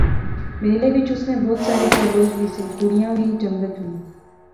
میلے وچ اس نے بہت سارے فیلوز وی سے، کڑئیاں وی، جنگت وی